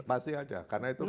pasti ada karena itu kan